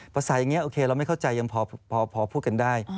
ภาษาอย่างนี้โอเคเราไม่เข้าใจยังพอพูดกันได้